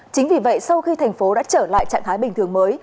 chính vì vậy sau khi thành phố đã trở lại trạng thái bình thường mới